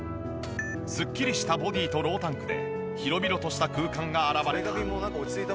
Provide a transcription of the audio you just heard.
すっきりしたボディとロータンクで広々とした空間が現れた。